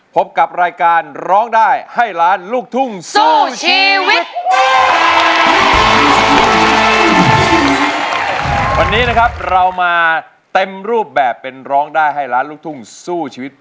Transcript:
พบกับรายการร้องได้ให้ล้านลูกทุ่งสู้ชีวิต